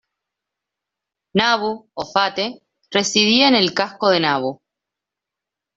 Nabu, o Fate, residía en el "Casco de Nabu".